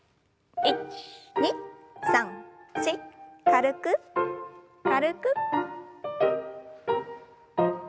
１２３４軽く軽く。